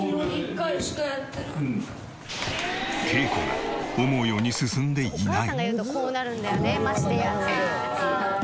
稽古が思うように進んでいない。